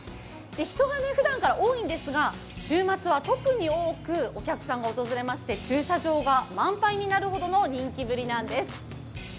人がふだんから多いんですが週末は特に多くお客さんが訪れまして駐車場が満杯になるほどの人気ぶりなんです。